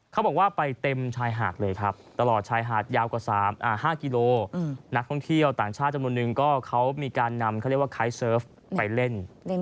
เขาบอกว่าไปเต็มชายหาดเลยครับตลอดชายหาดยาวกว่า๕กิโลนักท่องเที่ยวต่างชาติจำนวนนึงก็เขามีการนำเขาเรียกว่าคล้ายเซิร์ฟไปเล่น